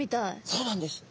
そうなんです。